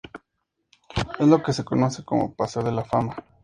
Es lo que se conoce como el paseo de la fama.